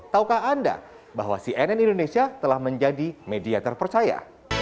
taukah anda bahwa cnn indonesia telah menjadi media terpercaya